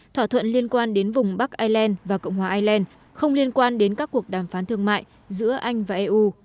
thỏa thuận liên quan đến vùng bắc ireland và cộng hòa ireland không liên quan đến các cuộc đàm phán thương mại giữa anh và eu